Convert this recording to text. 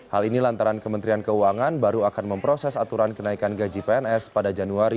hal ini lantaran kementerian keuangan baru akan memproses aturan kenaikan gaji pns pada januari dua ribu sembilan belas